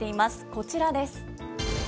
こちらです。